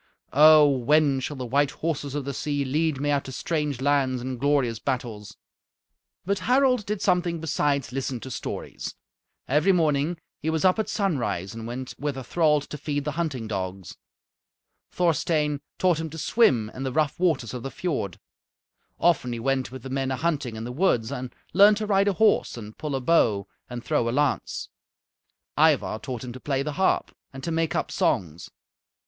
Oh! when shall the white horses of the sea lead me out to strange lands and glorious battles?" But Harald did something besides listen to stories. Every morning he was up at sunrise and went with a thrall to feed the hunting dogs. Thorstein taught him to swim in the rough waters of the fiord. Often he went with the men a hunting in the woods and learned to ride a horse and pull a bow and throw a lance. Ivar taught him to play the harp and to make up songs.